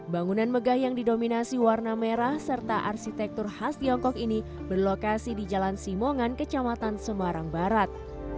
bangunan megah yang didominasi warna merah serta arsitektur khas tiongkok ini berlokasi di jalan simongan kecamatan semarang barat